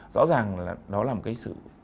rõ ràng đó là một cái sự